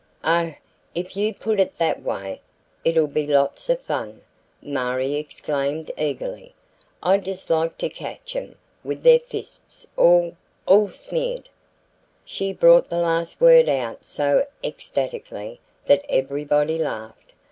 "Oh, if you put it that way, it'll be lots of fun," Marie exclaimed eagerly. "I'd just like to catch 'em with their fists all all smeared!" She brought the last word out so ecstatically that everybody laughed.